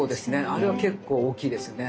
あれは結構大きいですよね